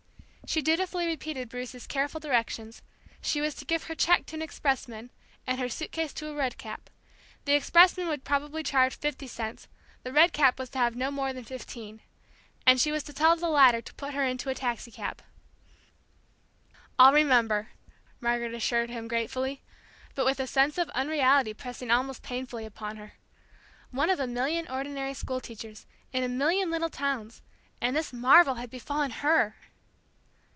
She dutifully repeated Bruce's careful directions; she was to give her check to an expressman, and her suitcase to a red cap; the expressman would probably charge fifty cents, the red cap was to have no more than fifteen. And she was to tell the latter to put her into a taxicab. "I'll remember," Margaret assured him gratefully, but with a sense of unreality pressing almost painfully upon her. One of a million ordinary school teachers, in a million little towns and this marvel had befallen her!